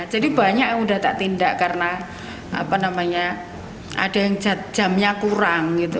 jadi banyak yang sudah tak tindak karena ada yang jamnya kurang